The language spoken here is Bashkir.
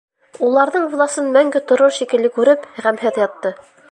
Уларҙың власын мәңге торор шикелле күреп, ғәмһеҙ ятты.